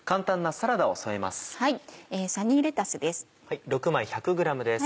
サニーレタスです。